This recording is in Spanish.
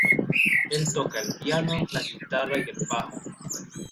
Él toca el piano, la guitarra y el bajo.